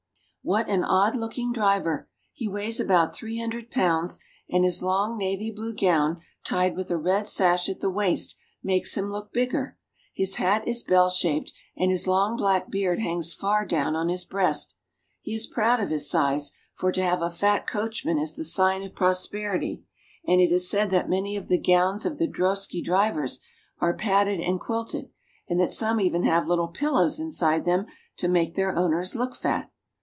What an odd looking driver ! He weighs about three hundred pounds, and his long navy blue gown, tied with a red sash at the waist, makes him look bigger. His hat is bell shaped, and his long black beard hangs far down on his breast. He is proud of his size, for to have a fat coachman is the sign of prosperity; and it is said that many of the gowns of the drosky drivers are padded and quilted, and that some even have little pillows inside them to make their owners look fat.